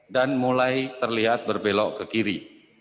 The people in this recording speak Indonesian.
dan mulai terlihat berbelok ke kiri